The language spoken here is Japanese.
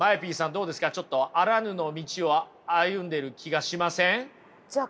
どうですかちょっとあらぬの道を歩んでる気がしません？